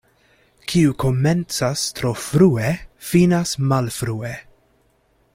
Kiu komencas tro frue, finas malfrue.